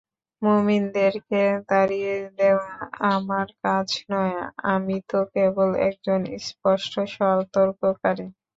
মুমিনদেরকে তাড়িয়ে দেয়া আমার কাজ নয় আমি তো কেবল একজন স্পষ্ট সতর্ককারী।